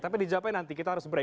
tapi di jepang nanti kita harus break